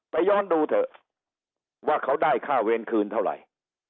ย้อนดูเถอะว่าเขาได้ค่าเวรคืนเท่าไหร่